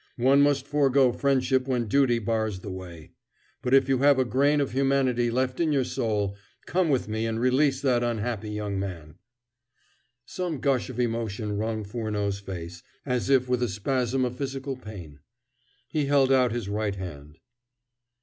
"One must forego friendship when duty bars the way. But if you have a grain of humanity left in your soul, come with me and release that unhappy young man " Some gush of emotion wrung Furneaux's face as if with a spasm of physical pain. He held out his right hand.